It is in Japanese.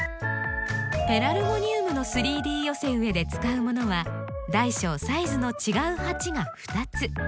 ペラルゴニウムの３Ｄ寄せ植えで使うものは大小サイズの違う鉢が２つ。